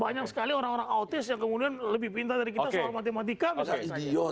banyak sekali orang orang autis yang kemudian lebih perintah dari kita soal matematika misalnya